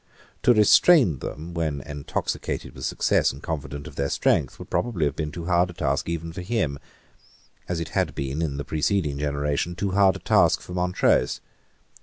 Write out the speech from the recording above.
To restrain them, when intoxicated with success and confident of their strength, would probably have been too hard a task even for him, as it had been, in the preceding generation, too hard a task for Montrose.